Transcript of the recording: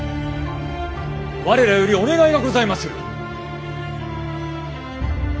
我らよりお願いがございまする。